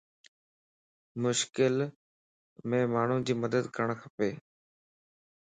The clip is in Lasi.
مشڪل ام ماڻھي جي مدد ڪرڻ کپا